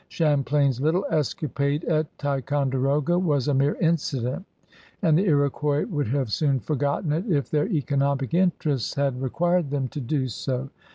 Qiamplain's little escapade at Ticonderoga was a mere incident and the Iroquois would have soon forgotten it if their economic mterests had required them to do so.